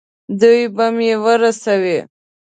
دوی به مې ورسوي.